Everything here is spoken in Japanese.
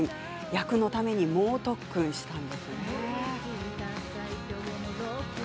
役のために猛特訓したんですよね。